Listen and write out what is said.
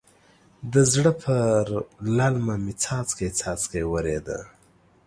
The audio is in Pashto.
د زړه پر للمه مې څاڅکی څاڅکی ورېده.